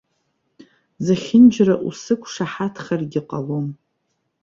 Зехьынџьара усықәшаҳаҭхаргьы ҟалом.